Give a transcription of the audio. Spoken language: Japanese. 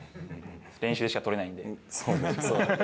練習しか取れないんで。